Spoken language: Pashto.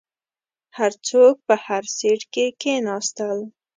هر څوک په هر سیټ کې کیناستل.